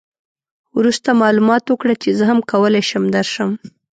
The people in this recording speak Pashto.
وروسته معلومات وکړه چې زه هم کولای شم درشم.